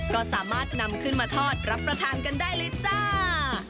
ก็สามารถนำขึ้นมาทอดรับประทานกันได้เลยจ้า